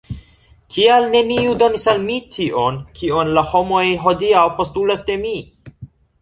Kial neniu donis al mi tion, kion la homoj hodiaŭ postulas de mi?